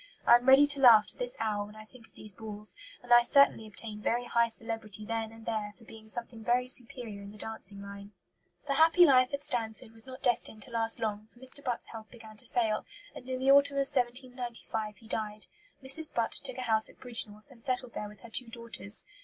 I am ready to laugh to this hour when I think of these balls, and I certainly obtained very high celebrity then and there for being something very superior in the dancing line." The happy life at Stanford was not destined to last long, for Mr. Butt's health began to fail, and in the autumn of 1795 he died. Mrs. Butt took a house at Bridgnorth, and settled there with her two daughters.